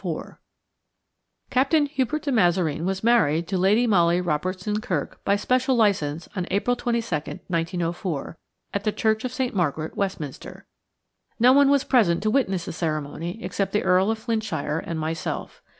4 CAPTAIN HUBERT DE MAZAREEN was married to Lady Molly Robertson Kirk by special licence on April 22nd, 1904, at the Church of St. Margaret, Westminster. No one was present to witness the ceremony except the Earl of Flintshire and myself.